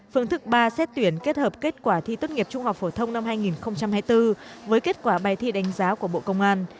phương thức ba xét tuyển kết hợp kết quả thi tất nghiệp trung học phổ thông năm hai nghìn hai mươi bốn với kết quả bài thi đánh giá của bộ công an